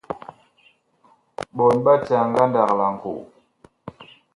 Ɓɔɔŋ ɓa caa ngandag laŋkoo.